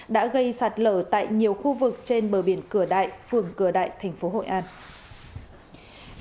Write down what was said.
đã gây sạt lở tại nhiều khu vực trên bờ biển cửa đại phường cửa đại thành phố hội an